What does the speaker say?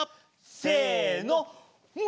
せの。